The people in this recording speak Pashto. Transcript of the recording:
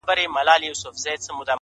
چي ورته سر ټيټ كړمه ؛ وژاړمه؛